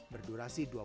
berdurasi selama setahun